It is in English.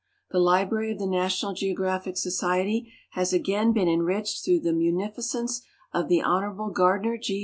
The library of the National Geographic Society has again been enriched through the munificence of the Hon. Gardiner G.